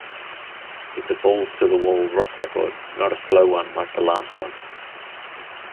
It's a balls-to-the-wall rock record, not a slow one like the last one.